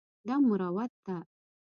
دا مروت ده.